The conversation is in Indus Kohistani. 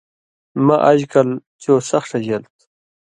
مہ آژ کل چو سخ ݜژېل تُھو